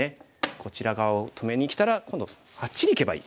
こちら側を止めにきたら今度あっちにいけばいい。